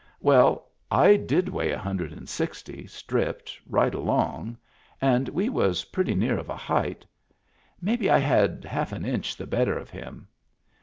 Well, I did weigh a hundred and sixty, stripped, right along — and we was pretty near of a height. Maybe I had half an inch the better of him.